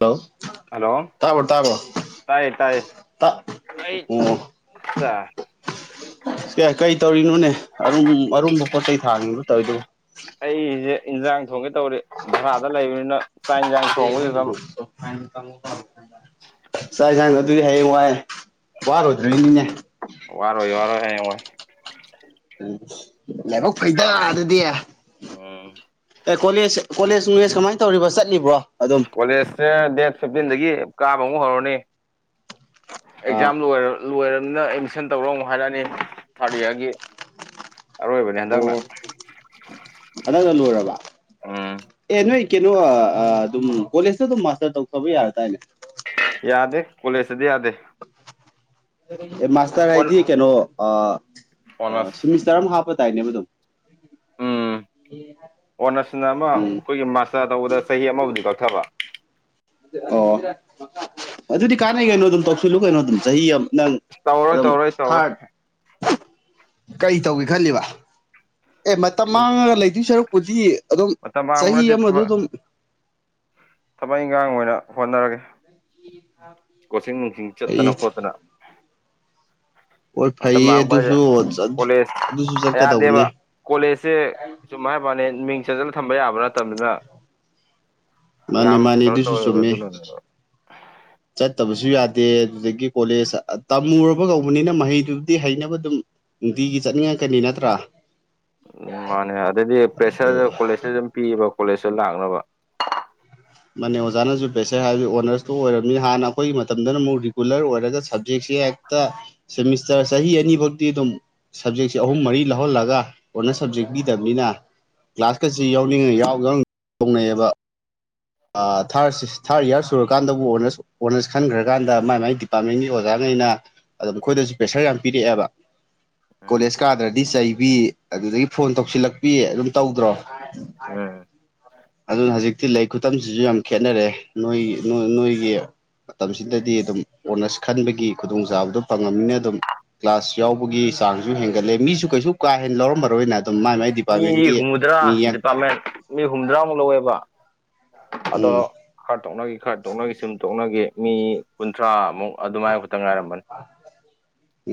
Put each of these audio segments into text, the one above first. ꯍꯥꯜꯂꯣ ꯇꯥꯕ꯭ꯔꯣ ꯇꯥꯕ꯭ꯔꯣ ꯇꯥꯏ ꯇꯥꯏ ꯇꯥ ꯑꯩ ꯑꯣ ꯑꯦ ꯀꯩ ꯇꯧꯔꯤꯅꯣꯅꯦ ꯑꯔꯨꯝ ꯑꯔꯨꯝꯕ ꯄꯣꯠ ꯆꯩ ꯊꯥꯡꯉꯤꯕꯣ ꯇꯧꯔꯤꯗꯨꯕꯣ ꯑꯩꯁꯦ ꯏꯟꯁꯥꯡ ꯊꯣꯡꯒꯦ ꯇꯧꯔꯤ ꯚꯔꯥꯗ ꯂꯩꯕꯅꯤꯅ ꯆꯥꯛ ꯌꯦꯟꯁꯥꯡ ꯊꯣꯡꯕꯁꯤꯗ ꯆꯥꯛ ꯌꯦꯟꯁꯥꯡ ꯑꯗꯨꯗꯤ ꯍꯌꯦꯡ ꯋꯥꯏꯦ ꯋꯥꯔꯨꯗ꯭ꯔꯔꯤꯅꯤꯅꯦ ꯋꯥꯔꯣꯏ ꯋꯥꯔꯣꯏ ꯍꯥꯏꯌꯦ ꯑꯣꯏꯣꯏ ꯎꯝ ꯂꯥꯏꯕꯛ ꯐꯩꯗ ꯑꯗꯨꯗꯤ ꯎꯝ ꯀꯣꯂꯦꯖ ꯀꯣꯂꯦꯖ ꯃꯤꯂꯦꯖ ꯀꯃꯥꯏꯅ ꯇꯧꯔꯤꯕ ꯆꯠꯂꯤꯕ꯭ꯔꯣ ꯑꯗꯨꯝ ꯀꯣꯂꯦꯖꯁꯦ ꯗꯦꯠ ꯐꯤꯞꯇꯤꯟꯗꯒꯤ ꯀꯥꯕ ꯑꯃꯨꯛ ꯍꯧꯔꯅꯤ ꯑꯥ ꯑꯦꯛꯖꯥꯝ ꯂꯣꯏꯔ ꯂꯣꯏꯔꯕꯅꯤꯅ ꯑꯦꯠꯃꯤꯁꯟ ꯇꯧꯔꯨ ꯍꯥꯏꯔꯛꯑꯅꯤ ꯊꯥꯔꯠ ꯏꯌꯥꯔꯒꯤ ꯑꯔꯣꯏꯕꯅꯦ ꯍꯟꯗꯛꯅ ꯑꯗꯅ ꯂꯣꯏꯔꯕ ꯎꯝ ꯑꯦ ꯅꯣꯏ ꯀꯩꯅꯣ ꯑꯗꯨꯝ ꯀꯣꯂꯦꯖꯇ ꯑꯗꯨꯝ ꯃꯥꯁꯇꯔ ꯇꯧꯊꯕ ꯌꯥꯔ ꯇꯔꯅꯦ ꯌꯘꯦ ꯀꯣꯂꯦꯁ ꯇꯗꯤ ꯌꯗꯦ ꯑꯦ ꯃꯥꯁꯇꯔ ꯍꯥꯏꯗꯤ ꯀꯩꯅꯣ ꯑꯣꯅꯔꯁ ꯁꯤꯦꯃꯤꯁꯇꯔ ꯑꯃ ꯍꯥꯞꯄ ꯇꯥꯏꯅꯦꯕ ꯑꯗꯨꯝ ꯎꯝ ꯑꯣꯅꯔꯁꯅ ꯑꯃ ꯎꯝ ꯑꯩꯈꯣꯏꯒꯤ ꯃꯥꯁꯇꯔ ꯇꯧꯕꯗ ꯆꯍꯤ ꯑꯃꯕꯨꯗꯤ ꯀꯛꯊꯕ ꯑꯣ ꯑꯗꯨꯗꯤ ꯀꯥꯟꯅꯩ ꯀꯩꯅꯣ ꯑꯗꯨꯝ ꯇꯧꯁꯤꯜꯂꯨ ꯀꯩꯅꯣ ꯑꯗꯨꯝ ꯆꯍꯤ ꯑꯃ ꯅꯪ ꯇꯧꯔꯣꯏ ꯑꯗꯨꯝ ꯇꯧꯔꯣꯏ ꯇꯧꯔꯣꯏ ꯍꯥꯔꯠ ꯀꯔꯤ ꯇꯧꯒꯦ ꯈꯜꯂꯤꯕ ꯑꯦ ꯃꯇꯝ ꯃꯥꯡꯉꯒ ꯂꯩꯗꯣꯏ ꯁꯔꯨꯛꯄꯨꯗꯤ ꯑꯗꯨꯝ ꯃꯇꯝ ꯃꯥꯡꯕ ꯆꯍꯤ ꯅꯠꯇꯦ ꯑꯃꯗ ꯊꯕꯛ ꯑꯗꯨꯝ ꯊꯕꯛ ꯏꯟꯈꯥꯡ ꯑꯣꯏꯅ ꯍꯣꯠꯅꯔꯒꯦ ꯎ ꯀꯣꯆꯤꯡ ꯅꯨꯡꯁꯤꯡ ꯆꯠꯇꯅ ꯈꯣꯠꯇꯅ ꯍꯣꯏ ꯃꯇꯝ ꯐꯩꯌꯦ ꯃꯥꯡꯕ ꯍꯥꯏꯁꯦ ꯑꯗꯨꯁꯨ ꯀꯣꯂꯦꯖ ꯑꯗꯨꯁꯨ ꯑꯌꯥꯗꯦꯕ ꯆꯠꯀꯗꯧꯕꯅꯦ ꯀꯣꯂꯦꯖꯁꯦ ꯁꯨꯝ ꯍꯥꯏ ꯃꯥꯅꯦ ꯃꯤꯡ ꯆꯟꯁꯤꯂ ꯊꯝꯕ ꯌꯥꯕ ꯅꯠꯇꯕꯅꯤꯅ ꯃꯥꯅꯤ ꯌꯥꯝ ꯀꯩꯅꯣ ꯃꯥꯅꯤꯗꯨꯁꯨ ꯇꯧꯋꯦꯕ ꯆꯃꯦ ꯑꯗꯨꯅꯅꯦꯕ ꯆꯠꯇꯕꯁꯨ ꯌꯥꯗꯦ ꯑꯗꯨꯗꯒꯤ ꯀꯣꯂꯦꯖ ꯇꯝꯃꯨꯔꯕ ꯀꯧꯕꯅꯤꯅ ꯃꯍꯩꯗꯨꯕꯨꯗꯤ ꯍꯩꯅꯕ ꯑꯗꯨꯝ ꯅꯨꯡꯇꯤꯒꯤ ꯆꯠꯅꯤꯡꯉꯛꯀꯅꯤ ꯅꯠꯇ꯭ꯔꯥ ꯎꯝ ꯃꯥꯅꯦ ꯑꯗꯩꯗꯤ ꯑꯗꯣ ꯄ꯭ꯔꯦꯁꯔꯗ ꯀꯣꯂꯦꯖꯇ ꯑꯗꯨꯝ ꯄꯤꯕ ꯀꯣꯂꯦꯖꯇ ꯂꯥꯛꯅꯕ ꯃꯅꯦ ꯑꯣꯖꯥꯅꯁꯨ ꯄꯦꯁꯔ ꯍꯥꯏꯔꯕꯗꯤ ꯑꯣꯅꯔꯁꯇꯨ ꯑꯣꯏꯔꯝꯃꯤꯅꯤ ꯍꯥꯟꯅ ꯑꯩꯈꯣꯏꯒꯤ ꯃꯇꯝꯗꯅ ꯑꯃꯨꯛ ꯔꯤꯒꯨꯂꯔ ꯑꯣꯏꯔꯒ ꯁꯞꯖꯦꯛꯁꯦ ꯍꯦꯛ ꯁꯦꯃꯤꯁꯇꯔ ꯆꯍꯤ ꯆꯍꯤ ꯑꯅꯤ ꯐꯗꯤꯤ ꯑꯗꯨꯝ ꯁꯕꯖꯦꯛꯁꯦ ꯑꯍꯨꯝ ꯃꯔꯤ ꯂꯧꯍꯜꯂꯒ ꯑꯣꯅꯔ ꯁꯕꯖꯦꯛ ꯄꯤꯗꯕꯅꯤꯅ ꯒ꯭ꯂꯥꯁꯀꯁꯤ ꯌꯥꯎꯅꯤꯡꯉꯩ ꯌꯥꯎ ꯌꯥꯎꯣꯡꯅꯩꯑꯌꯦꯕ ꯊꯥꯔ ꯊꯥꯔꯠ ꯏꯌꯥꯔ ꯁꯨꯔꯀꯥꯟꯗꯕꯨ ꯑꯣꯅꯔꯁ ꯈꯟꯈ꯭ꯔꯀꯥꯟꯗ ꯃꯥꯏ ꯃꯥꯏ ꯗꯤꯄꯥꯔꯠꯃꯦꯟꯒꯤ ꯑꯣꯖꯥꯈꯩꯅ ꯑꯗꯣ ꯃꯈꯣꯏꯗꯁꯨ ꯄ꯭ꯔꯦꯁꯔ ꯌꯥꯝ ꯄꯤꯔꯛꯑꯦꯕ ꯎꯝ ꯀꯣꯂꯦꯖ ꯀꯥꯗ꯭ꯔꯗꯤ ꯆꯩꯕꯤ ꯑꯗꯨꯗꯒꯤ ꯐꯣꯟ ꯇꯧꯁꯤꯜꯂꯛꯄꯤ ꯑꯗꯨꯝ ꯇꯧꯗ꯭ꯔꯣ ꯎꯝ ꯍꯧꯖꯤꯛ ꯊꯤ ꯂꯥꯏꯛ ꯈꯨꯇꯁꯤꯁꯨ ꯌꯥꯝ ꯈꯦꯠꯅꯔꯦ ꯅꯣꯏꯒꯤ ꯅꯣꯏꯒꯤ ꯃꯇꯝꯁꯤꯗꯗꯤ ꯑꯗꯨꯝ ꯑꯣꯅꯔꯁ ꯈꯟꯕꯒꯤ ꯈꯨꯗꯣꯡꯆꯥꯕꯗꯨ ꯐꯪꯉꯅꯤꯅ ꯑꯗꯨꯝ ꯀ꯭ꯂꯒ꯭ꯂꯥꯁ ꯌꯥꯎꯕꯒꯤ ꯆꯥꯡꯁꯨ ꯍꯦꯟꯒꯠꯂꯦ ꯃꯤꯁꯨ ꯀꯩꯁꯨ ꯀꯥ ꯍꯦꯟꯅ ꯂꯧꯔꯃꯔꯣꯏꯅ ꯑꯗꯨꯝ ꯃꯥꯏ ꯃꯥꯏ ꯃꯤ ꯗꯤꯄꯥꯔꯠꯃꯦꯟꯒꯤ ꯍꯨꯝꯐꯨꯇꯔꯥ ꯃꯤ ꯗꯤꯄꯥꯔꯠꯃꯦꯟ ꯃꯤ ꯍꯨꯝꯐꯨꯗ꯭ꯔꯥꯃꯨꯛ ꯂꯧꯋꯦꯕ ꯑꯗꯣ ꯎꯝ ꯈꯔ ꯇꯣꯛꯅꯈꯤ ꯈꯔ ꯇꯣꯛꯅꯈꯤ ꯁꯨꯝ ꯇꯣꯛꯅꯈꯤ ꯃꯤ ꯀꯨꯟꯊ꯭ꯔꯥꯃꯨꯛ ꯑꯗꯨꯃꯥꯏ ꯈꯛꯇꯪ ꯉꯥꯏꯔꯝꯕꯅꯤ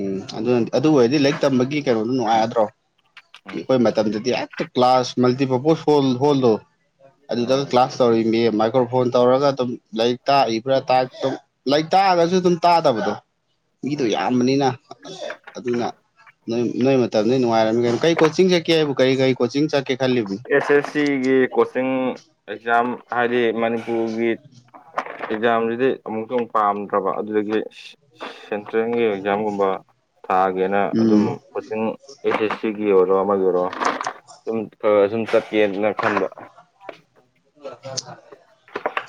ꯎꯝ ꯑꯗꯨꯅ ꯑꯗꯨ ꯑꯣꯏꯔꯗꯤ ꯂꯥꯏꯔꯤꯛ ꯇꯝꯕꯒꯤ ꯀꯩꯅꯣꯗꯣ ꯅꯨꯡꯉꯥꯏꯒꯗ꯭ꯔꯣ ꯎꯝ ꯑꯩꯈꯣꯏ ꯃꯇꯝꯗꯗꯤ ꯍꯦꯛꯇ ꯀ꯭ꯂꯥꯁ ꯃꯜꯇꯤꯄꯔꯄꯣꯁ ꯍ ꯍꯣꯜꯂꯣ ꯑꯗꯨꯗ ꯎꯝ ꯀ꯭ꯂꯥꯁ ꯇꯧꯔꯔꯤ ꯏꯦ ꯑꯩ ꯐꯣꯟ ꯇꯧꯔꯒ ꯑꯗꯨꯝ ꯂꯥꯏꯔꯤꯛ ꯇꯥꯛꯏꯕꯔꯥ ꯂꯥꯏꯔꯤꯛ ꯇꯥꯛꯑꯒꯁꯨ ꯑꯗꯨꯝ ꯇꯥꯗꯕꯗꯣ ꯃꯤꯗꯣ ꯌꯥꯝꯕꯅꯤꯅ ꯑꯗꯨꯅ ꯅꯣꯏ ꯅꯣꯏ ꯃꯇꯝꯗ ꯅꯨꯡꯉꯥꯏꯔꯝꯃꯤ ꯀꯩꯅꯣ ꯀꯔꯤ ꯀꯣꯆꯤꯡ ꯆꯠꯀꯦ ꯍꯥꯏꯕꯕꯨ ꯀꯔꯤ ꯀꯔꯤ ꯀꯣꯆꯤꯡ ꯆ ꯀꯦ ꯈꯂꯤ ꯑꯦꯁ ꯑꯦꯁ ꯁꯤꯒꯤ ꯀꯣꯆꯤꯡ ꯑꯦꯛꯖꯥꯝ ꯍꯥꯏꯗꯤ ꯃꯅꯤꯄꯨꯔꯒꯤ ꯑꯦꯛꯖꯥꯝꯁꯤꯗꯤ ꯑꯃꯨꯛꯇꯪ ꯄꯥꯝꯗ꯭ꯔꯕ ꯑꯗꯨꯗꯒꯤ ꯁꯦꯟꯇ꯭ꯔꯦꯜꯒꯤ ꯑꯦꯛꯖꯥꯝꯒꯨꯝꯕ ꯊꯥꯒꯦꯅ ꯑꯗꯨꯝ ꯎꯝ ꯀꯣꯆꯤꯡ ꯑꯩꯁ ꯑꯦꯁ ꯁꯤꯒꯤ ꯑꯣꯏꯔꯣ ꯑꯃꯒꯤ ꯑꯣꯏꯔꯣ ꯁꯨꯝ ꯈꯔ ꯁꯨꯝ ꯆꯠꯀꯦꯅ ꯈꯟꯕ ꯂꯧꯔꯀꯔꯦ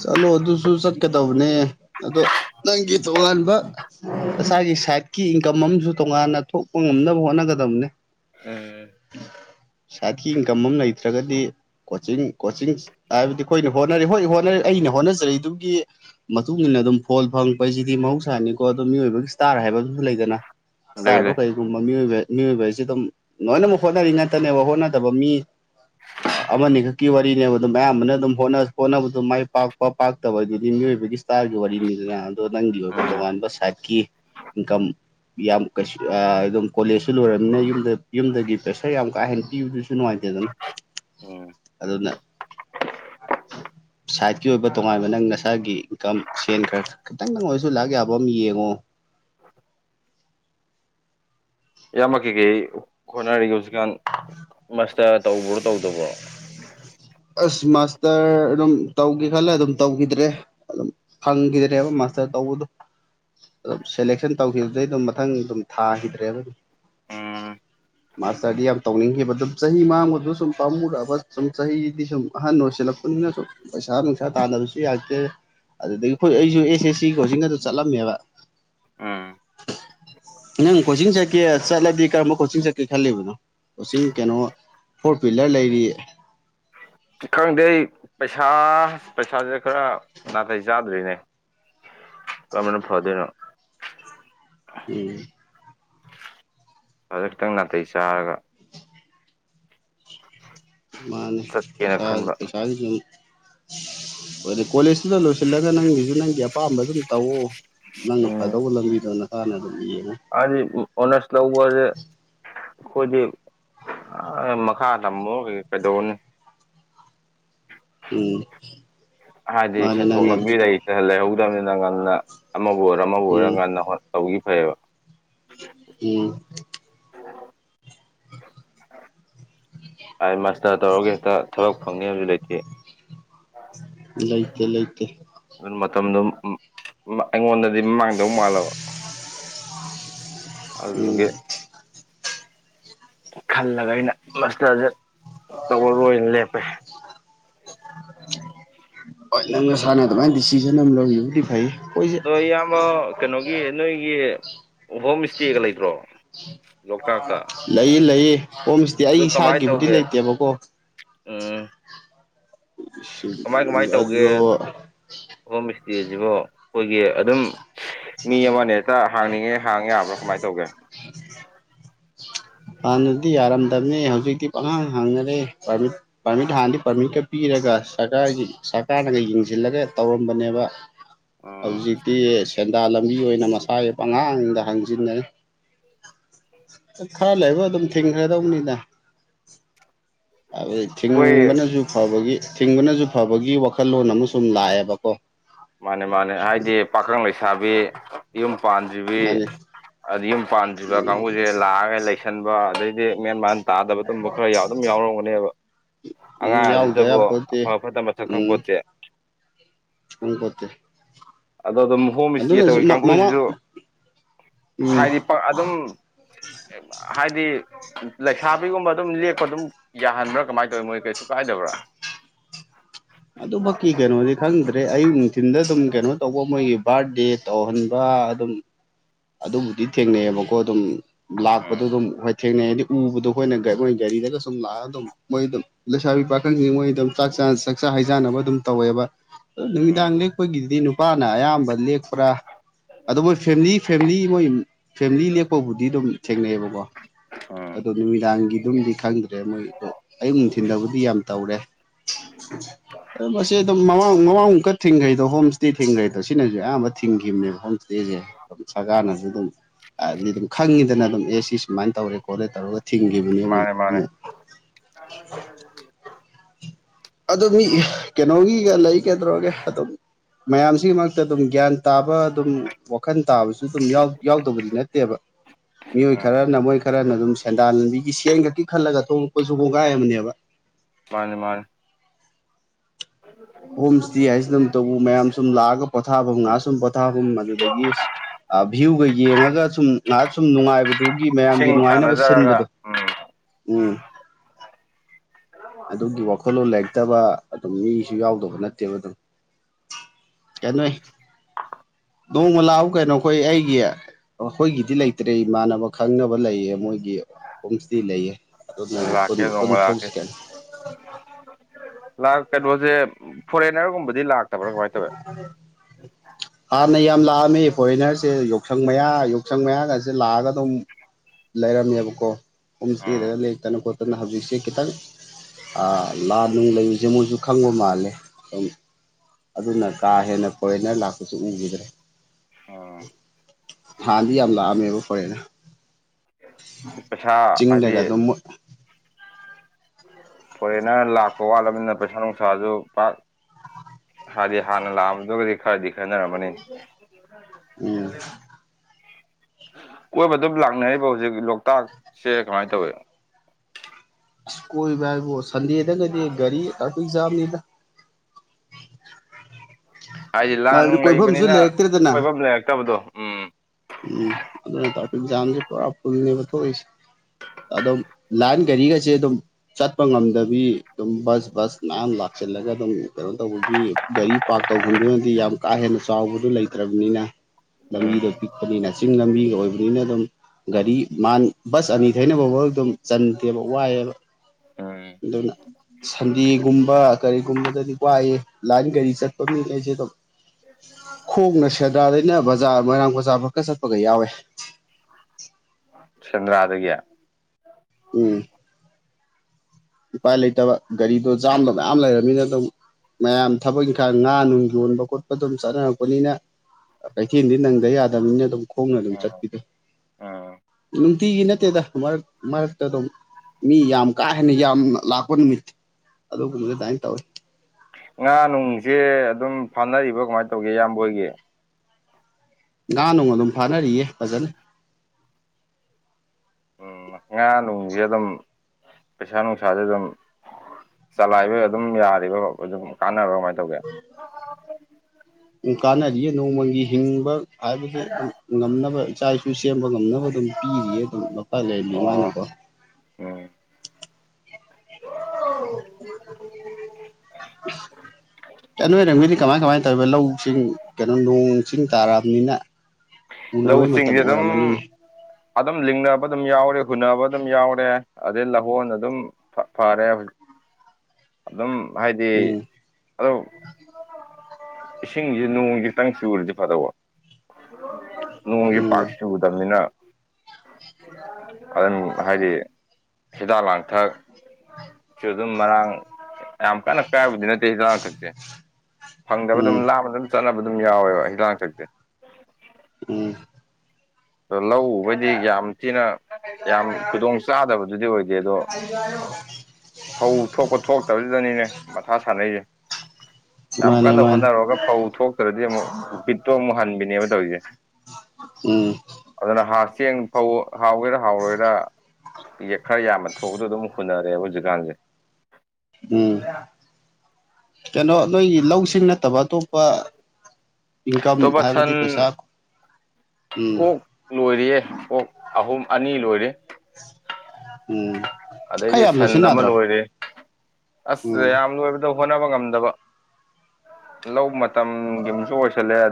ꯆꯠꯂꯣ ꯑꯗꯨꯁꯨ ꯆꯠꯀꯗꯕꯅꯦ ꯑꯗꯣ ꯅꯪꯒꯤ ꯇꯣꯉꯥꯟꯕ ꯏꯁꯁꯥꯒꯤ ꯁꯥꯏꯠꯀꯤ ꯏꯟꯀꯝ ꯑꯃꯁꯨ ꯇꯣꯉꯥꯟꯅ ꯊꯣꯛꯄ ꯉꯝꯅꯕ ꯍꯣꯠꯅꯒꯗꯕꯅꯦ ꯎꯝ ꯁꯥꯏꯠꯀꯤ ꯏꯟꯀꯝ ꯑꯃ ꯂꯩꯇ꯭ꯔꯒꯗꯤ ꯀꯣꯆꯤꯡ ꯀꯣꯆꯤꯡ ꯍꯥꯏꯕꯗꯤ ꯑꯩꯈꯣꯏꯅ ꯍꯣꯠꯅꯔꯤ ꯍꯣꯏ ꯍꯣꯠꯅꯔ ꯑꯩꯅ ꯍꯣꯠꯅꯖꯔꯏꯗꯨꯒꯤ ꯃꯇꯨꯡ ꯏ ꯃꯇꯨꯡꯏꯟꯅ ꯑꯗꯨꯝ ꯐꯣꯜ ꯐꯪꯉꯛꯄ ꯍꯥꯏꯁꯤꯗꯤ ꯃꯍꯧꯁꯥꯅꯤꯀꯣ ꯑꯗꯨꯝ ꯃꯤꯑꯣꯏꯕꯒꯤ ꯏꯁꯇꯥꯔ ꯍꯥꯏꯕ ꯑꯃꯁꯁꯨ ꯂꯩꯗꯅ ꯂꯩ ꯏꯁꯇꯥꯔꯗꯣ ꯂꯩ ꯀꯩꯒꯨꯝꯕ ꯃꯤꯑꯣꯕ ꯃꯤꯑꯣꯏꯕ ꯍꯥꯏꯁꯤ ꯑꯗꯨꯝ ꯂꯣꯏꯅꯃꯛ ꯍꯣꯠꯅꯔꯤ ꯉꯥꯛꯇꯅꯦꯕ ꯍꯣꯠꯅꯗꯕ ꯃꯤ ꯑꯃꯅꯤꯈꯛꯀꯤ ꯋꯥꯔꯤꯔꯤꯅꯦ ꯑꯗꯨꯝ ꯑꯌꯥꯝꯕꯅ ꯑꯗꯨꯝ ꯍꯣ ꯍꯣꯠꯅꯕꯗꯨ ꯃꯥꯏ ꯄꯥꯛꯄ ꯄꯥꯛꯇꯕ ꯑꯗꯨꯗꯤ ꯃꯤꯑꯣꯏꯕꯒꯤ ꯁꯇꯥꯔꯒꯤ ꯋꯥꯔꯤꯅꯤꯗꯅ ꯑꯗꯣ ꯅꯪꯒꯤ ꯑꯣꯏꯕ ꯎꯝ ꯇꯣꯉꯥꯟꯕ ꯁꯥꯏꯠꯀꯤ ꯏꯟꯀꯝ ꯌꯥꯝ ꯀꯩꯁꯨ ꯑꯗꯨꯝ ꯀꯣꯂꯦꯖꯁꯨ ꯂꯣꯏꯔꯕꯝꯃꯤꯅ ꯌꯨꯝꯗ ꯌꯨꯝꯗꯒꯤ ꯄ꯭ꯔꯦꯁꯔ ꯌꯥꯝ ꯀꯥ ꯍꯦꯟꯅ ꯄꯤꯕꯗꯨꯁꯨ ꯅꯨꯡꯉꯥꯏꯇꯦꯗꯅ ꯎꯝ ꯑꯗꯨꯗꯟꯅ ꯁꯥꯏꯠꯀꯤ ꯑꯣꯏꯕ ꯇꯣꯉꯥꯟꯕ ꯅꯪ ꯅꯁꯥꯒꯤ ꯏꯟꯀꯝ ꯁꯦꯟ ꯈꯔ ꯈꯤꯇꯪꯉꯣꯏꯁꯨ ꯂꯥꯛ ꯌꯥꯕ ꯑꯃ ꯌꯦꯡꯉꯣ ꯌꯥꯝꯌꯥꯝꯃꯛ ꯀꯩꯀꯩ ꯍꯣꯠꯅꯔꯤꯒꯦ ꯍꯧꯖꯤꯛꯀꯥꯟ ꯃꯥꯁꯇ ꯇꯧꯕ꯭ꯔꯣ ꯇꯧꯗꯕꯣ ꯑꯁ ꯃꯥꯁꯇꯔ ꯑꯗꯨꯝ ꯇꯧꯒꯦ ꯈꯜꯂ ꯑꯗꯨꯝ ꯇꯧꯈꯤꯗ꯭ꯔꯦ ꯑꯗꯨꯝ ꯐꯪꯈꯤꯗ꯭ꯔꯦꯕ ꯃꯥꯁꯇꯔ ꯇꯧꯕꯗꯣ ꯑꯗꯨꯝ ꯁꯦꯂꯦꯛꯁꯟ ꯇꯧꯈꯤꯕꯗꯩ ꯑꯗꯨꯝ ꯃꯊꯪ ꯑꯗꯨꯝ ꯊꯥꯈꯤꯗ꯭ꯔꯦꯕ ꯎꯝ ꯃꯥꯔꯁꯗꯤꯌꯝ ꯇꯧꯅꯤꯡꯈꯤꯕ ꯑꯗꯨꯝ ꯆꯍꯤ ꯃꯥꯡꯕꯗꯨ ꯁꯨꯝ ꯄꯥꯝꯃꯨꯔꯛꯑꯕ ꯁꯨꯝ ꯆꯍꯤꯗꯤ ꯁꯨꯝ ꯑꯍꯟ ꯑꯣꯏꯁꯤꯜꯂꯛꯄꯅꯤꯅ ꯁꯨꯝ ꯄꯩꯁꯥ ꯅꯨꯡꯁꯥ ꯇꯥꯗ ꯑꯗꯨꯁꯤ ꯑ ꯑꯗꯨꯗꯒꯤ ꯍꯣꯏ ꯑꯩꯁꯨ ꯑꯦꯁ ꯑꯦꯁ ꯁꯤ ꯀꯣꯆꯤꯡ ꯑꯗꯨ ꯆꯠꯂꯝꯃꯦꯕ ꯎꯝ ꯅꯪ ꯀꯣꯆꯤꯡ ꯆꯠꯀꯦ ꯆꯠꯂꯗꯤ ꯀꯔꯝꯕ ꯀꯣꯆꯤꯡ ꯆꯠꯀꯦ ꯈꯜꯂꯤꯕꯅꯣ ꯀꯣꯆꯤꯡ ꯀꯩꯅꯣ ꯐꯣꯔ ꯐ꯭ꯋꯤꯂꯔ ꯂꯩꯔꯤ ꯈꯪꯗꯦ ꯑꯩ ꯄꯩꯁꯥ ꯄꯩꯁꯥꯁꯦ ꯈꯔ ꯅꯥꯇꯩ ꯆꯥꯗ꯭ꯔꯤꯅꯦ ꯀꯃꯅ ꯐꯗꯅꯣ ꯎꯝ ꯑꯖ ꯈꯤꯇꯪ ꯅꯥꯇꯩ ꯆꯥꯔꯒ ꯃꯥꯅꯦ ꯆꯠꯀꯦꯅ ꯄꯩꯁꯥ ꯈꯟꯕ ꯄꯩꯁꯥꯒꯤ ꯀꯣꯂꯦꯖ ꯑꯗꯨꯗ ꯂꯣꯏꯁꯤꯜꯂꯒ ꯅꯪꯒꯤꯁꯨ ꯅꯪꯒꯤ ꯑꯄꯥꯝꯕ ꯑꯗꯨꯝ ꯇꯧꯋ ꯅꯪꯅ ꯐꯗꯧꯕ ꯂꯝꯕꯤꯗꯣꯅ ꯑꯅ ꯑꯗꯨꯝ ꯌꯦꯉ ꯍꯥꯏꯗꯤ ꯑꯣꯅꯔꯁ ꯂꯧꯕꯁꯦ ꯑꯩꯈꯣꯏꯗꯤ ꯃꯈꯥ ꯇꯝꯃꯣ ꯀꯩꯗꯧꯕꯅꯤ ꯎꯝ ꯍꯥꯏꯗꯤ ꯃꯥꯅꯦ ꯁꯦꯟꯊꯣꯛ ꯅꯪꯅ ꯂꯝꯕꯤ ꯂꯩ ꯂꯩꯍꯧꯗꯕꯅꯤꯅ ꯉꯟꯅ ꯑꯃꯕꯨ ꯑꯣꯏꯔꯣ ꯑꯃꯕꯨ ꯑꯣꯏꯔꯣ ꯎꯝ ꯉꯟꯅ ꯍ ꯇꯧꯕꯒꯤ ꯐꯩꯌꯦꯕ ꯎꯝ ꯑꯩꯥꯏ ꯃꯥꯁꯇꯔ ꯇꯧꯔꯒ ꯍꯦꯛꯇ ꯊꯕꯛ ꯐꯪꯅꯤꯕꯁꯨ ꯂꯩꯇꯦ ꯂꯩꯇ ꯂꯩꯇꯦ ꯑꯗꯨ ꯃꯇꯝꯗꯣ ꯑꯩꯉꯣꯟꯗ ꯑꯗꯨꯗꯤ ꯃꯃꯥꯡꯗꯧ ꯃꯥꯜꯂꯕ ꯎꯝ ꯑꯗꯨꯗꯒꯤ ꯈꯜꯂꯒ ꯑꯩꯅ ꯃꯁꯇꯔꯁꯦ ꯇꯧꯔꯔꯣꯏꯅ ꯂꯦꯞꯄꯩ ꯎ ꯍꯣꯏ ꯅꯪ ꯅꯁꯥꯅ ꯑꯗꯨꯃꯥꯏꯅ ꯗꯤꯁꯤꯖꯟ ꯑꯃ ꯂꯧꯋꯕꯨꯗꯤ ꯐꯩ ꯑꯩꯣꯏꯁꯦ ꯅ ꯏꯌꯥꯝꯕ ꯀꯩꯅꯣꯒꯤ ꯅꯣꯏꯒꯤ ꯍꯣꯝ ꯏꯁꯇꯦꯒ ꯂꯩꯇ꯭ꯔꯣ ꯂꯣꯛꯇꯥꯛꯇ ꯂꯩꯌꯦ ꯂꯩꯌꯦ ꯍꯣꯝꯁꯤꯗꯤ ꯑꯩ ꯑꯗꯨ ꯀꯃꯥꯏꯅ ꯏꯁꯥꯒꯤꯕꯨꯗꯤ ꯇꯧꯒꯦ ꯂꯩꯇꯦꯕꯀꯣ ꯎꯝ ꯑꯗꯨꯗꯣ ꯑꯣꯐꯝ ꯃꯤꯁꯇꯤꯖꯤꯕꯨꯣ ꯑꯩꯈꯣꯏꯒꯤ ꯑꯗꯨꯝ ꯃꯤ ꯑꯃꯅꯦ ꯍꯦꯛꯇ ꯍꯥꯡꯅꯤꯡꯉꯦ ꯍꯥꯡ ꯌꯥꯕ꯭ꯔꯥ ꯀꯃꯥꯏꯅ ꯇꯧꯒꯦ ꯍ ꯍꯥꯟꯅꯗꯤ ꯌꯥꯔꯝꯗꯕꯅꯦ ꯍꯧꯖꯤꯛꯇꯤ ꯄꯪꯍꯥꯡ ꯍꯪꯅꯔꯦ ꯄꯔ ꯄꯥꯔꯃꯤꯠ ꯍꯥꯟꯅꯗꯤ ꯄꯥꯔꯃꯤꯠꯀ ꯄꯤꯔꯒ ꯁꯔꯀꯥꯔꯒꯤ ꯁꯔꯀꯥꯔꯅꯒ ꯌꯦꯡꯁꯤꯜꯂꯒ ꯇꯧꯔꯝꯕꯅꯦꯕ ꯎꯝ ꯍꯧꯖꯤꯛꯇꯤ ꯁꯦꯟꯗꯥꯟ ꯂꯝꯕꯤ ꯑꯣꯏꯅ ꯃꯁꯥꯒꯤ ꯑꯉꯥꯡꯁꯤꯡꯗ ꯍꯥꯡꯖꯤꯟꯅꯩ ꯈꯔ ꯂꯩꯕ ꯑꯗꯨꯝ ꯊꯤꯡꯈ꯭ꯔꯗꯧꯅꯤꯅ ꯍꯥꯏꯗꯤ ꯑꯩꯈꯣꯏ ꯊꯤꯡꯕꯅꯁꯨ ꯐꯕꯒꯤ ꯊꯤꯡꯕꯅꯁꯨ ꯐꯕꯒꯤ ꯋꯥꯈꯜꯂꯣꯟ ꯑꯃꯁ ꯁꯨꯝ ꯂꯥꯛꯑꯦꯕꯀꯣ ꯃꯥꯅꯦ ꯃꯥꯅꯦ ꯍꯥꯏꯗꯤ ꯄꯥꯈꯪ ꯂꯩꯁꯥꯕꯤ ꯌꯨꯝ ꯄꯥꯟꯗ꯭ꯕꯤ ꯃꯥꯅꯤ ꯑ ꯌꯨꯝ ꯄꯥꯟꯗ꯭ꯔꯤꯕ ꯀꯥꯡꯕꯨꯁꯦ ꯂꯥꯛꯑꯒ ꯂꯩꯁꯟꯕ ꯑꯗꯩꯗꯤ ꯃꯦꯟ ꯃꯟ ꯇꯥꯗꯕ ꯑꯗꯨꯝꯕ ꯈꯔ ꯑꯗꯨꯝ ꯌꯥꯎꯔꯝꯒꯅꯦꯕ ꯎꯝ ꯑꯉꯥꯡ ꯌꯥꯎꯗ ꯑꯁꯤꯗꯕꯨ ꯌꯥꯄꯣꯠꯇꯦ ꯑꯐ ꯐꯠꯇ ꯃꯊꯛ ꯈꯪꯄꯣꯠꯁꯦ ꯀꯣꯟ ꯀꯠꯇ ꯑꯗꯣ ꯑꯗꯨꯝ ꯍꯣꯝ ꯏꯁꯇꯦ ꯇꯧꯔꯤ ꯀꯥꯡꯈꯨꯁꯤꯁꯨ ꯍꯥꯏꯗꯤ ꯑꯗꯨꯝ ꯎꯝ ꯍꯥꯏꯗꯤ ꯂꯩꯁꯥꯕꯤꯒꯨꯝꯕ ꯑꯗꯨꯝ ꯂꯦꯛꯄ ꯑꯗꯨꯝ ꯌꯥꯍꯟꯕ꯭ꯔꯥ ꯀꯃꯥꯏꯅ ꯇꯧꯋꯤ ꯃꯣꯏ ꯀꯩꯁꯨ ꯀꯥꯏꯗꯕ꯭ꯔꯥ ꯑꯗꯨꯃꯛꯀꯤ ꯀꯩꯅꯣꯗꯤ ꯈꯪꯗ꯭ꯔꯦ ꯑꯌꯨꯛ ꯅꯨꯡꯊꯤꯟꯗ ꯑꯗꯨꯝ ꯀꯩꯅꯣ ꯇꯧꯕ ꯃꯣꯏꯒꯤ ꯕꯥꯔꯗꯦ ꯇꯧꯍꯟꯕ ꯑꯗꯨꯝ ꯑꯗꯨꯕꯨꯗꯤ ꯊꯦꯡꯅꯩꯑꯕꯀꯣ ꯑꯗꯨꯝ ꯎꯝ ꯂꯥꯛꯄꯗꯣ ꯑꯗꯨꯝ ꯍꯣꯏ ꯊꯦꯡꯅꯩ ꯍꯥꯏꯗꯤ ꯎꯕꯗꯣ ꯑꯩꯈꯣꯏ ꯃꯣꯏ ꯒꯥꯔꯤꯗꯒ ꯁꯨꯝ ꯂꯥꯛꯑꯒ ꯑꯗꯨꯝ ꯃꯣꯏ ꯑꯗꯨꯝ ꯂꯩꯁꯥꯕꯤ ꯄꯥꯈꯪꯁꯤꯡ ꯃꯣꯏ ꯑꯗꯨꯝ ꯆꯥꯛ ꯆꯥꯛꯆꯥ ꯍꯩꯖꯥꯟꯅꯕ ꯑꯗꯨꯝ ꯇꯧꯋꯦꯕ ꯎꯝ ꯅꯨꯃꯤꯗꯥꯡ ꯂꯦꯛꯄꯒꯤꯗꯨꯗꯤ ꯅꯨꯄꯥꯅ ꯑꯌꯥꯝꯕ ꯂꯦꯛꯄ꯭ꯔꯥ ꯑꯣ ꯃꯣꯏ ꯐꯦꯃꯤꯂꯤ ꯐꯦꯃꯤꯂꯤ ꯃꯣꯏ ꯐꯦꯃꯤꯂꯤ ꯂꯦꯛꯄꯕꯨꯗꯤ ꯑꯗꯨꯝ ꯊꯦꯡꯅꯩꯌꯦꯕꯀꯣ ꯎꯝ ꯑꯗꯣ ꯅꯨꯃꯤꯗꯥꯡꯒꯤꯗꯨꯝꯗꯤ ꯈꯪꯗ꯭ꯔꯦ ꯃꯣꯏ ꯑꯗꯣ ꯑꯌꯨꯛ ꯅꯨꯡꯊꯤꯟꯗꯕꯨꯗꯤ ꯌꯥꯝ ꯇꯧꯔꯦ ꯑ ꯃꯁꯗ ꯃꯃꯥꯡ ꯃꯃꯥꯡ ꯀ ꯊꯤꯡꯈ꯭ꯔꯩꯗꯣ ꯍꯣꯝ ꯏꯁ꯭ꯇꯦ ꯊꯤꯡꯈ꯭ꯔꯩꯗꯣ ꯁꯤꯅꯁꯨ ꯑꯌꯥꯝꯕ ꯊꯤꯡꯈꯤꯕꯅꯦꯕ ꯍꯣꯝ ꯏꯁꯇꯦ ꯁꯔꯀꯔ ꯎꯝ ꯑꯗꯨꯝ ꯍꯥꯏꯗꯤ ꯑꯗꯨꯝ ꯈꯪꯉꯤꯗꯅ ꯑꯗꯨꯝ ꯑꯦ ꯁꯤ ꯁꯨꯃꯥꯏꯅ ꯇꯧꯔꯦ ꯈꯣꯠꯂꯦ ꯇꯧꯔꯒ ꯊꯤꯡꯈꯤꯕꯅꯤ ꯑꯃꯨ ꯑꯃꯨꯛ ꯑ ꯑꯗꯨ ꯃꯤ ꯀꯩꯅꯣꯒꯤꯒ ꯂꯩꯒꯗ꯭ꯔꯣꯒ ꯑꯗꯨꯝ ꯃꯌꯥꯝꯁꯤꯒꯤ ꯃꯔꯛꯇ ꯑꯗꯨꯝ ꯒ꯭ꯌꯥꯟ ꯇꯥꯕ ꯑꯗꯨꯝ ꯑꯗꯨ ꯌꯥꯎꯗꯕꯗꯤ ꯅꯠꯇꯦꯕ ꯃꯤꯑꯣꯏ ꯎꯝ ꯈꯔꯅ ꯃꯣꯏ ꯈꯔꯅ ꯑꯗꯨꯝ ꯁꯦꯟꯗꯥꯟ ꯂꯝꯕꯤꯒꯤ ꯆꯦꯡ ꯈꯛꯤ ꯈꯜꯂꯒ ꯊꯣꯛꯂꯛꯄꯁꯨ ꯕꯣꯡꯒꯥꯏ ꯑꯃꯅꯦꯕ ꯃꯥꯅꯦ ꯃꯥꯅꯦ ꯍꯣꯝ ꯏꯁꯇꯦ ꯍꯥꯏꯁꯤꯅ ꯑꯗꯨꯝ ꯇꯧꯕ ꯃꯌꯥꯝ ꯁꯨꯝ ꯂꯥꯛꯑꯒ ꯄꯣꯊꯥꯐꯝ ꯉꯍ ꯁꯨꯝ ꯄꯣꯊꯥꯐꯝ ꯑꯗꯨꯗꯒꯤ ꯚ꯭ꯌꯨꯒ ꯌꯦꯡꯉꯒ ꯁꯨꯝ ꯉꯥꯏꯍꯥꯛ ꯁꯨꯝ ꯅꯨꯡꯉꯥꯏꯕꯗꯨꯒꯤ ꯃꯌꯥꯝꯒꯤ ꯏꯁꯤꯡ ꯅꯨꯡꯉꯥꯏꯅꯕ ꯁꯥꯟꯅꯖꯔꯒ ꯁꯤꯟꯕꯗꯨ ꯎꯝ ꯎꯝ ꯑꯗꯨꯒꯤ ꯋꯥꯈꯜꯂꯣꯟ ꯂꯩꯔꯛꯇꯕ ꯑꯗꯨꯝ ꯃꯤ ꯁꯨ ꯌꯥꯎꯗꯕ ꯅꯠꯇꯦꯕ ꯑꯗꯨꯝ ꯀꯩꯅꯣꯏ ꯅꯣꯡꯃ ꯂꯥꯛꯎ ꯀꯩꯅꯣꯈꯣꯏ ꯑꯩꯒꯤ ꯑꯩꯈꯣꯏꯒꯤꯗꯤ ꯂꯩꯇ꯭ꯔꯦ ꯏꯃꯥꯟꯅꯕ ꯈꯪꯅꯕ ꯂꯩꯌꯦ ꯃꯣꯏꯒꯤ ꯍꯣꯝꯁꯤꯇꯗꯤ ꯂꯩꯌꯦ ꯑꯗꯨꯝ ꯂꯥꯛꯀꯦ ꯀ ꯅꯣꯡꯃ ꯂꯥꯛꯀꯦ ꯊꯣꯛꯁꯤꯒꯦ ꯂꯥꯛ ꯀꯩꯅꯣꯁꯦ ꯐꯣꯔꯦꯟꯅꯔꯒꯨꯝꯕꯗꯤ ꯂꯥꯛꯄ [unintelligible] ꯍꯥꯟꯅ ꯌꯥꯝ ꯂꯥꯛꯑꯝꯃꯤ ꯐꯣꯔꯦꯟꯅꯔꯁꯦ ꯌꯥꯎꯁꯪ ꯃꯌꯥ ꯌꯥꯎꯁꯪ ꯃꯌꯥꯒꯁꯦ ꯂꯥꯛꯑꯒ ꯑꯗꯨꯝ ꯂꯩꯔꯝꯃꯦꯕꯀꯣ ꯎꯝ ꯄꯨꯝꯁꯤꯦꯗꯒ ꯂꯩꯇꯅ ꯈꯣ ꯑꯗꯨꯅ ꯍꯧꯖꯤꯛꯁꯦ ꯈꯤꯇꯪ ꯂꯥ ꯅꯨꯡ ꯂꯩꯕꯁꯦ ꯃꯣꯏꯁꯨ ꯈꯪꯕ ꯃꯥꯜꯂꯦ ꯑꯗꯨ ꯑꯗꯨꯅ ꯀꯥ ꯍꯦꯟꯅ ꯐꯣꯏꯦꯅ ꯂꯥꯛꯄꯁꯨꯅꯤꯡꯡꯈꯤꯗ꯭ꯔꯦ ꯑꯣ ꯍꯗꯤ ꯑꯂ ꯑꯃꯕꯨ ꯐꯔꯦꯅ ꯄꯩꯁꯥ ꯆꯤꯡꯗꯒ ꯍꯥꯏꯗꯤ ꯑꯗꯨꯝ ꯐꯣꯔꯦꯟꯅꯔ ꯂꯥꯛꯄ ꯋꯥꯠꯂꯕꯅꯤꯅ ꯄꯩꯁꯥ ꯅꯨꯡꯁꯥꯁꯨ ꯄꯥꯛ ꯍꯥꯏꯗꯤ ꯍꯥꯟꯅ ꯂꯥꯛꯑꯝꯗꯨꯒꯗꯤ ꯈꯔꯗꯤ ꯈꯦꯅꯔꯝꯃꯅꯤ ꯎꯝ ꯀꯣꯏꯕ ꯑꯗꯨꯝ ꯂꯥꯛꯅꯔꯤꯕ ꯍꯧꯖꯤꯛ ꯂꯣꯛꯇꯥꯛꯁꯦ ꯀꯃꯥꯏꯅ ꯇꯧꯋꯤ ꯀꯣꯏ ꯕꯨ ꯁꯟꯗꯤꯦꯗ ꯀꯗꯤ ꯒꯥꯔꯤ ꯇꯐꯤꯛꯖꯝ ꯂꯤꯗ ꯍꯥꯏꯗꯤ ꯂꯥꯟ ꯅꯨꯡ ꯂꯩꯕꯅꯤꯅ ꯂꯩꯔꯛꯇ꯭ꯔꯦꯗꯅ ꯀꯣꯏꯐꯝ ꯂꯩꯔꯛꯇꯕꯗꯣ ꯎꯝ ꯎꯝ ꯑꯗꯨꯅ ꯇ꯭ꯔꯥꯐꯤꯛ ꯖꯥꯝꯁꯦ ꯄꯨꯔꯥ ꯐꯨꯜꯅꯦꯕ ꯊꯣꯛꯛꯏꯁꯦ ꯑꯗꯨꯝ ꯂꯥꯟ ꯔꯤꯒꯁꯦ ꯑꯗꯨꯝ ꯆꯠꯄ ꯉꯝꯗꯕꯤ ꯑꯗꯨꯝ ꯕꯁ ꯕꯁ ꯃꯌꯥꯝ ꯂꯥꯛꯁꯤꯜꯂꯒ ꯑꯗꯨꯝ ꯀꯩꯅꯣ ꯇꯧꯕꯒꯤ ꯒꯥꯔꯤ ꯄꯥꯔꯛ ꯇꯧꯍꯟꯗꯨꯅꯗꯤ ꯌꯥꯝ ꯀꯥ ꯍꯦꯟꯅ ꯆꯥꯎꯕꯗꯨꯣ ꯂꯩꯇ꯭ꯔꯕꯅꯤꯅ ꯂꯝꯕꯤꯗꯣ ꯎꯝ ꯅꯤꯅ ꯆꯤꯡ ꯂꯝꯕꯤꯒ ꯑꯣꯏꯕꯅꯤꯅ ꯑꯗꯨꯝ ꯒꯥꯔꯤ ꯕꯁ ꯑꯅꯤ ꯊꯩꯅꯅꯕꯐꯥꯎ ꯑꯗꯨꯝ ꯆꯟꯗꯦꯕ ꯋꯥꯏꯑꯦꯕ ꯎꯝ ꯑꯗꯨꯅ ꯁꯟꯗꯦꯒꯨꯝꯕ ꯀꯔꯤꯒꯨꯝꯕꯗꯗꯤ ꯋꯥꯏꯑ ꯂꯥꯏꯟ ꯒꯥꯔꯤ ꯆꯠꯄ ꯃꯤ ꯂꯩꯁꯦ ꯑꯗꯨꯝ ꯈꯣꯡꯅ ꯁꯦꯗ꯭ꯔꯥꯗꯩꯅ ꯕꯖꯥꯔ ꯃꯣꯏꯔꯥꯡ ꯖꯥꯐꯛꯀ ꯆꯠꯄꯒ ꯌꯥꯎꯋꯦ ꯆꯗ꯭ꯔꯥꯗꯒꯌꯥ ꯎꯝ ꯎꯄꯥꯏ ꯂꯩꯇꯕ ꯒꯥꯔꯤꯗꯣ ꯆꯥꯝꯗ ꯃꯌꯥꯝ ꯂꯩꯔꯝꯃꯤꯅ ꯑꯗꯨꯕꯨ ꯃꯌꯥꯝ ꯊꯕꯛ ꯏꯪꯈꯥꯡ ꯉꯥ ꯅꯨꯡ ꯌꯣꯟꯕ ꯈꯣꯠꯄ ꯑꯗꯨꯝ ꯆꯠꯅꯔꯛꯄꯅꯤꯅ ꯀꯩꯊꯦꯜꯗꯤ ꯅꯪꯗ ꯌꯥꯗꯅꯤꯅ ꯑꯗꯨꯝ ꯈꯣꯡꯅ ꯑꯗꯨꯝ ꯎꯝ ꯆꯠꯄꯤꯗꯣ ꯎꯝ ꯅꯨꯡꯇꯤꯒꯤ ꯅꯠꯇꯦꯗ ꯃꯔꯛ ꯃꯔꯛꯇ ꯑꯗꯨꯝ ꯃꯤ ꯌꯥꯝ ꯀꯥ ꯍꯦ ꯑꯩꯅ ꯌꯥꯝꯅ ꯂꯥꯛꯄ ꯅꯨꯃꯤꯠꯇ ꯑꯗꯨꯒꯨꯝꯕꯗꯨ ꯑꯗꯨꯃꯥꯏꯅ ꯇꯧꯋꯤ ꯉꯥ ꯅꯨꯡꯁꯦ ꯑꯗꯨꯝ ꯐꯥꯅꯔꯤꯕ ꯀꯃꯥꯏꯅ ꯇꯧꯒꯦ ꯏꯌꯥꯝꯕ ꯍꯣꯏꯒꯤ ꯉꯥ ꯅꯨꯡ ꯑꯗꯨꯝ ꯐꯥꯅꯔꯤꯌꯦ ꯐꯖꯅ ꯎꯝ ꯉꯥ ꯅꯨꯡꯁ ꯑꯗꯨꯝ ꯄꯩꯁꯥ ꯅꯨꯡꯁꯥꯁꯦ ꯑꯗꯨꯝ ꯆꯂꯥꯏꯕꯩ ꯑꯗꯨꯝ ꯌꯥꯔꯤꯕ ꯑꯗꯨꯝ ꯀꯥꯟꯅꯕ ꯀꯃꯥꯏꯅ ꯇꯧꯒꯦ ꯎ ꯀꯥꯟꯅꯔꯤꯌꯦ ꯅꯣꯡꯃꯒꯤ ꯍꯤꯡꯕ ꯍꯥꯏꯕꯁꯦ ꯉꯝꯅꯕ ꯏꯆꯥ ꯏ ꯁꯨ ꯁꯦꯝꯕ ꯉꯝꯅꯕ ꯑꯗꯨꯝ ꯄꯤꯔꯤꯌꯦ ꯑꯗꯨꯝ ꯂꯣꯛꯇꯥꯛ ꯂꯩꯔꯝꯃꯤ ꯑꯣ ꯃꯥꯅꯀꯣ ꯎꯝ [unintelligible] ꯅ ꯑꯣꯏꯔꯝꯒꯗꯤ ꯀꯃꯥꯏ ꯀꯃꯥꯏꯅ ꯇꯧꯏꯤ ꯂꯧꯁꯤꯡ ꯀꯩꯅꯣ ꯅꯣꯡ ꯆꯤꯡ ꯇꯥꯔꯛꯑꯕꯅꯤꯅ ꯂꯧ ꯎꯅꯕꯩ ꯃꯇꯝ ꯁꯤꯡꯁꯦ ꯑꯗꯨꯝ ꯑꯣꯏꯔꯝꯃꯅꯤꯅꯦ ꯑꯗꯨꯝ ꯂꯤꯡꯅꯕ ꯑꯗꯨꯝ ꯌꯥꯎꯔꯦ ꯍꯨꯟꯅꯅꯕ ꯑꯗꯨꯝ ꯌꯥꯎꯔꯦ ꯑꯗꯩ ꯂꯍꯣꯟ ꯑꯗꯨꯝ ꯐꯥ ꯐꯥꯔꯦ ꯍꯧꯣꯏ ꯑꯗꯨꯝ ꯍꯥꯏꯗꯤ ꯎꯝ ꯑꯗꯣ ꯏꯁꯤꯡꯁꯦ ꯅꯣꯡꯁꯤ ꯈꯤꯇꯪ ꯆꯨꯔꯗꯤ ꯐꯗꯧꯕ ꯅꯣꯡꯒꯤ ꯎꯝ ꯄꯥꯛ ꯆꯒꯗꯕꯅꯤꯅ ꯑꯗꯨꯝ ꯍꯥꯏꯗꯤ ꯍꯤꯗꯥꯛ ꯂꯥꯡꯊꯛ ꯁꯨ ꯑꯗꯨꯝ ꯃꯔꯥꯡ ꯌꯥꯝ ꯀꯟꯅ ꯀꯥꯏꯕꯗꯤ ꯅꯠꯇꯦ ꯍꯤꯗꯥꯛ ꯂꯥꯡꯊꯛꯁꯦ ꯐꯪꯗꯕ ꯑꯗꯨꯝ ꯎꯝ ꯂꯥꯝꯕ ꯑꯗꯨꯝ ꯆꯠꯅꯕ ꯑꯗꯨꯝ ꯌꯥꯎꯋꯦꯕ ꯍꯤꯗꯥꯡꯆꯠꯁꯦ ꯎꯝ ꯑꯗꯣ ꯂꯧ ꯎꯕꯩꯗꯤ ꯌꯥꯝ ꯊꯤꯅ ꯌꯥꯝ ꯈꯨꯗꯣꯡ ꯆꯥꯗꯕꯗꯨꯗꯤ ꯑꯣꯏꯗꯦ ꯑꯗꯣ ꯋꯥꯅꯣ ꯐꯧ ꯊꯣꯛꯄ ꯊꯣꯛꯛꯇꯕꯁꯤꯗꯅꯤꯅꯦ ꯃꯊꯥ ꯁꯥꯟꯅꯩꯁꯦ ꯌꯥꯝ ꯃꯥꯅꯦ ꯀꯟꯅ ꯃꯥꯅꯦ ꯍꯣꯠꯅꯔꯨꯔꯒ ꯐꯧ ꯊꯣꯛ ꯈꯔꯗꯤ ꯑꯃꯨꯛ ꯎꯄꯤꯠꯇꯣ ꯑꯃꯨꯛ ꯍꯟꯕꯤꯅꯦꯕ ꯇꯧꯔꯤꯁꯦ ꯎꯝ ꯑꯗꯨꯅ ꯆꯦꯡ ꯐꯧ ꯍꯥꯎꯒꯦꯔꯥ ꯍꯥꯎꯔꯣꯏꯔꯥ ꯈꯔ ꯌꯥꯝꯃꯗ ꯊꯣꯛꯄꯇꯣ ꯑꯗꯨꯝ ꯍꯨꯟꯅꯔꯦꯕ ꯍꯧꯖꯤꯛꯀꯥꯟꯁꯦ ꯎꯝ ꯀꯩꯅꯣ ꯅꯣꯏꯒꯤ ꯂꯧꯁꯤꯡ ꯅꯠꯇꯕ ꯑꯇꯣꯞꯄ ꯏꯟꯀꯝ ꯇꯣꯕ ꯁꯟ ꯍꯥꯏꯕꯗꯤ ꯄꯩꯁꯥ ꯎꯝ ꯑꯣꯛ ꯂꯣꯏꯔꯤꯌꯦ ꯑꯣꯛ ꯑꯍꯨꯝ ꯑꯅꯤ ꯂꯣꯏꯔꯦ ꯎꯝ ꯑꯗꯩꯗꯤ ꯈꯔ ꯌꯥꯝ ꯁꯟ ꯂꯣꯏꯁꯤꯟ ꯑꯃ ꯌꯥꯗ꯭ꯔꯣ ꯂꯣꯏꯔꯦ ꯑꯁ ꯎꯝ ꯌꯥꯝ ꯂꯣꯏꯕꯗ ꯍꯣꯠꯅꯕ ꯉꯝꯗꯕ ꯂꯧ ꯃꯠ ꯇꯝ ꯒꯤꯃꯁꯨ ꯑꯣꯏꯁꯜꯂꯦ ꯑꯗꯩ